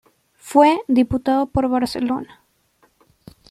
Fue diputado por Barcelona.